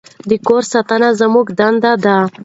د کور ساتنه زموږ دنده ده.